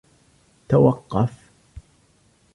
توقف!